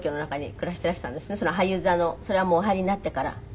その俳優座のそれはもうお入りになってから？